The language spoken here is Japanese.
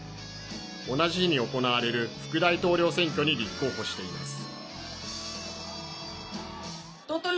同じ日に行われる副大統領選挙に立候補しています。